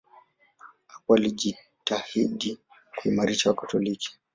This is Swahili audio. Hapo alijitahidi kuimarisha Wakatoliki.